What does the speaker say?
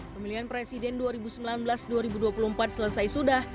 pemilihan presiden dua ribu sembilan belas dua ribu dua puluh empat selesai sudah